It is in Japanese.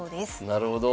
なるほど。